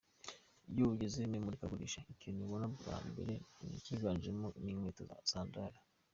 Iyo ugeze mu imurikagurisha, ikintu ubona bwa mbere ko kiganjemo ni inkweto za sandari.